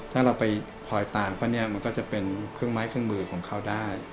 ถ้าเราไปคอยตามก็เนี่ยมันก็จะเป็นเครื่องไม้เครื่องมือของเขาได้